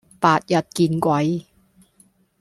白日見鬼